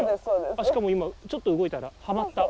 しかも今ちょっと動いたらはまった。